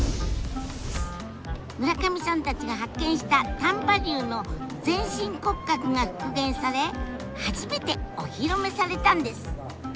村上さんたちが発見した丹波竜の全身骨格が復元され初めてお披露目されたんです。